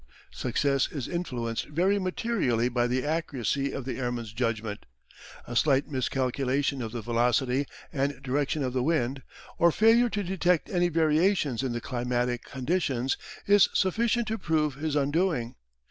Success is influenced very materially by the accuracy of the airman's judgment. A slight miscalculation of the velocity and direction of the wind, or failure to detect any variations in the climatic conditions, is sufficient to prove his undoing.